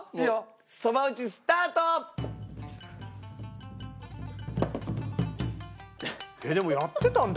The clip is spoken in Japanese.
そば打ちスタート！でもやってたんだ